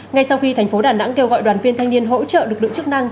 ngay sau khi thành phố đà nẵng kêu gọi đoàn viên thanh niên hỗ trợ lực lượng chức năng